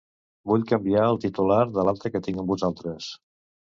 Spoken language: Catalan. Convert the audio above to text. Vull canviar el titular de l'alta que tinc amb vosaltres.